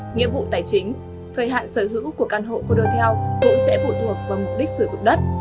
nhiệm vụ tài chính thời hạn sở hữu của căn hộ cô tô teo cũng sẽ phụ thuộc vào mục đích sử dụng đất